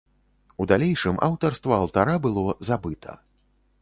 У далейшым аўтарства алтара было забыта.